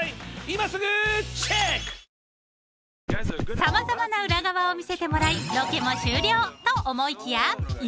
［様々な裏側を見せてもらいロケも終了と思いきや］